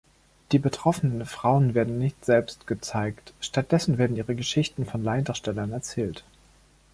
Die betroffenen Frauen werden nicht selbst gezeigt, stattdessen werden Ihre Geschichten von Laiendarstellern erzählt.